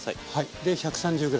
で１３０ｇ。